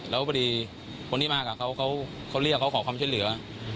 แล้วพอดีคนที่มากับเขาเรียกเขาขอความช่วยเหลือ